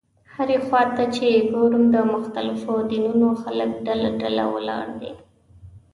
هرې خوا ته چې ګورم د مختلفو دینونو خلک ډله ډله ولاړ دي.